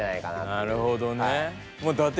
なるほどね。